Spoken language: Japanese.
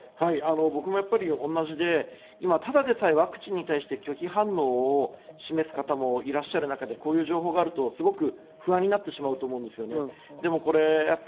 僕もやっぱり同じで、ただでさえワクチンに対して拒否反応を示す方もいらっしゃる中でこういう情報があると不安になってしまうと思うんですよね。